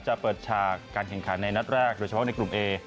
จะเปิดฉากการแข่งขันในนัดแรกโดยเฉพาะในกลุ่มเอ